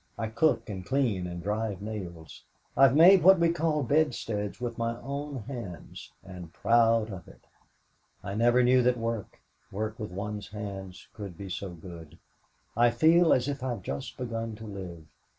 I cook and clean and drive nails. I've made what we call bedsteads with my own hands and proud of it! I never knew that work work with one's hands could be so good. I feel as if I'd just begun to live.